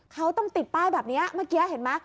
เขาต้องติดป้ายแบบนี้เมื่อกี้เห็นไหม